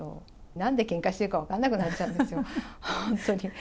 なんでけんかしてるか分かんなくなっちゃうんですよ、本当に。